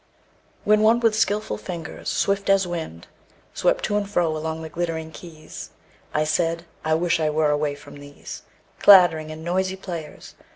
WHEN one with skillful fingers swift as wind Swept to and fro along the glittering keys, I said: I wish I were away from these Clattering and noisy players!